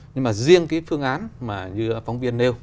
nhưng mà riêng cái phương án mà như phóng viên nêu